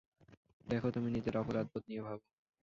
দেখো, তুমি নিজের অপরাধবোধ নিয়ে ভাবো।